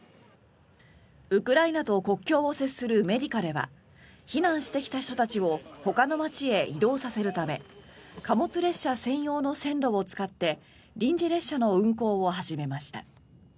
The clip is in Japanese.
ウクライナと国境を接するメディカでは避難してきた人たちをほかの街へ移動させるため貨物列車専用の線路を使って臨時列車の運行を始めました。